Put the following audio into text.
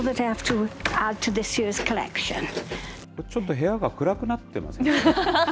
ちょっと部屋が暗くなってませんか？